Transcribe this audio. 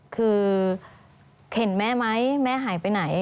คือเข็นแม่ไหมแม่หายไปไหน